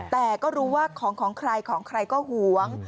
แต่ก็รู้ว่าของของใครของใครก็หวง